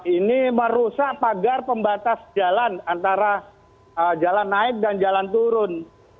ini merusak pagar pembatas jalan antara jalan naik dan jalan turun